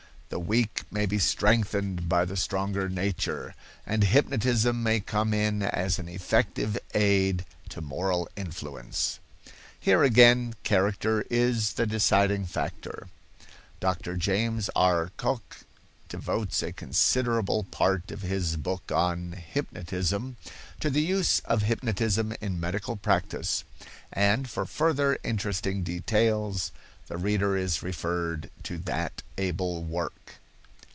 The weak may be strengthened by the stronger nature, and hypnotism may come in as an effective aid to moral influence. Here again character is the deciding factor. Dr. James R. Cocke devotes a considerable part of his book on "Hypnotism" to the use of hypnotism in medical practice, and for further interesting details the reader is referred to that able work.